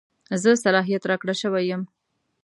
زه صلاحیت راکړه شوی یم.